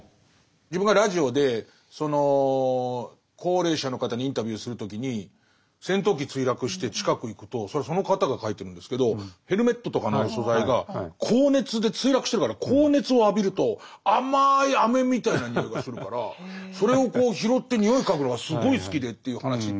自分がラジオでその高齢者の方にインタビューする時に戦闘機墜落して近く行くとそれはその方が書いてるんですけどヘルメットとかの素材が高熱で墜落してるから高熱を浴びると甘いあめみたいな匂いがするからそれをこう拾って匂い嗅ぐのがすごい好きでっていう話って。